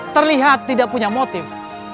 terlihat tidak punya motif